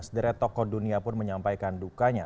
sederet tokoh dunia pun menyampaikan dukanya